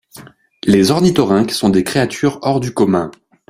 Les ornithorynques sont des créatures hors du commun.